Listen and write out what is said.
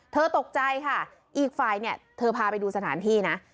ตกใจค่ะอีกฝ่ายเนี่ยเธอพาไปดูสถานที่นะ